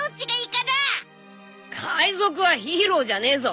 海賊はヒーローじゃねえぞ。